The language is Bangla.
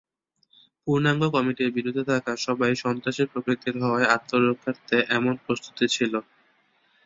পূর্ণাঙ্গ কমিটির বিরুদ্ধে থাকা সবাই সন্ত্রাসী প্রকৃতির হওয়ায় আত্মরক্ষার্থে এমন প্রস্তুতি ছিল।